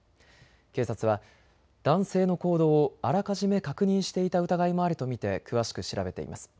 警察は男性の行動をあらかじめ確認していた疑いもあると見て詳しく調べています。